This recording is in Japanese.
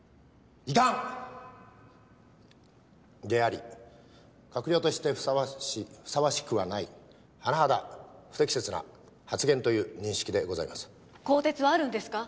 であり閣僚としてふさわしふさわしくはない甚だ不適切な発言という認識でございます。